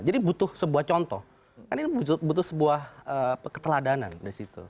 jadi butuh sebuah contoh kan ini butuh sebuah keteladanan dari situ